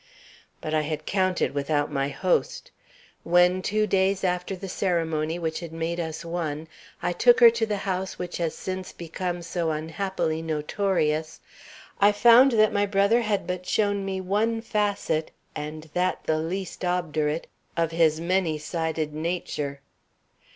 "But I had counted without my host. When, two days after the ceremony which had made us one, I took her to the house which has since become so unhappily notorious, I found that my brother had but shown me one facet, and that the least obdurate, of his many sided nature.